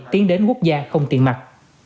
tiến đến quốc gia không tiền mặt